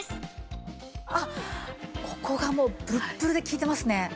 ここがもうブルッブルで効いてますね。